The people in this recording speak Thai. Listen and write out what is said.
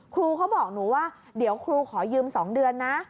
ครูเขาบอกหนูว่าเดี๋ยวครูขอยืม๒เดือนนะ